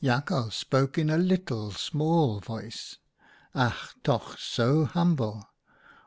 Jakhals spoke in a little small voice — ach ! toch so humble.